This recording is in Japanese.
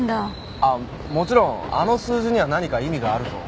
ああもちろんあの数字には何か意味があると。